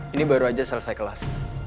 ini baru saja selesai kelas